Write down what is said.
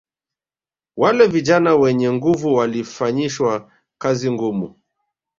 Wale vijana wenye nguvu walifanyishwa kazi ngumu